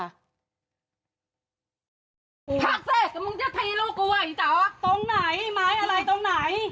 พักสิแต่มึงจะทีลูกกันไว้จ๋าวะตรงไหนไม้อะไรตรงไหน